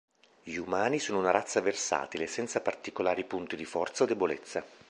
Gli umani sono una razza versatile, senza particolari punti di forza o debolezza.